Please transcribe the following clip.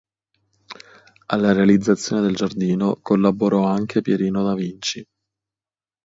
Alla realizzazione del giardino collaborò anche Pierino da Vinci.